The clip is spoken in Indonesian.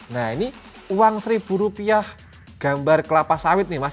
nah ini uang seribu rupiah gambar kelapa sawit nih mas